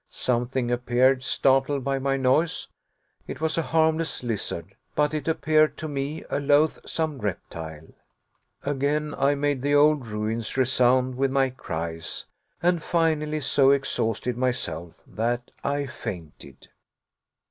Something appeared, startled by my noise. It was a harmless lizard, but it appeared to me a loathsome reptile. Again I made the old ruins resound with my cries, and finally so exhausted myself that I fainted.